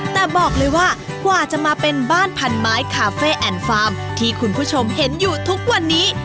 แต่บอกเลยว่ากว่าจะมาเป็นบ้านพันไม้คาเฟ่แอนด์ฟาร์มที่คุณผู้ชมเห็นอยู่ทุกวันนี้